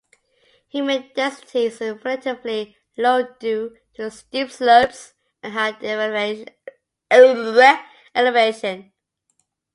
Human density is relatively low due to the steep slopes and high elevations.